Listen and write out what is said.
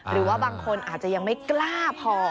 หรือว่าบางคนอาจจะยังไม่กล้าพอ